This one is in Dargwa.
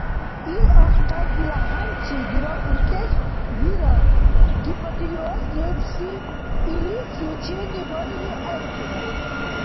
Ил ахтардила хӀянчи дурабуркӀес вирар гипотиреоз лебси, илис лечение барили гӀергъира.